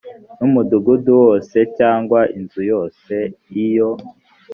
n umudugudu wose cyangwa inzu yose iyo